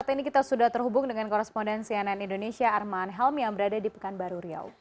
saat ini kita sudah terhubung dengan korespondensi ann indonesia arman helm yang berada di pekanbaru riau